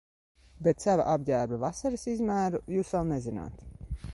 Bet sava apģērba vasaras izmēru jūs vēl nezināt